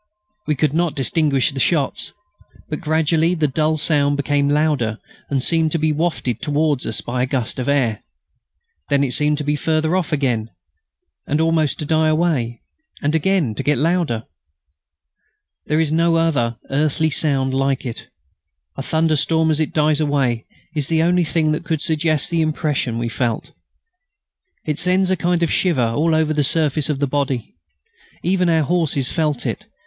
We could not distinguish the shots, but gradually the dull sound became louder and seemed to be wafted towards us by a gust of air. Then it seemed to be further off again, and almost to die away, and again to get louder. There is no other earthly sound like it. A thunderstorm as it dies away is the only thing that could suggest the impression we felt. It sends a kind of shiver all over the surface of the body. Even our horses felt it.